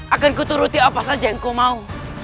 akan ku turuti apa saja yang kau mau